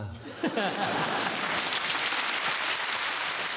ハハハ。